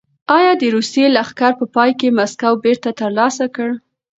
ایا د روسیې لښکر په پای کې مسکو بېرته ترلاسه کړ؟